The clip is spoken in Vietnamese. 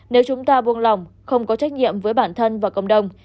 nếu chúng ta buông lỏng không có trách nhiệm với bản thân và cộng đồng